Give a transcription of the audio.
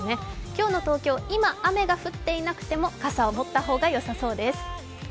今日の東京、今、雨が降っていなくても傘を持った方がよさそうです。